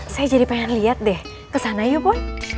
saya jadi pengen lihat deh kesana yuk bun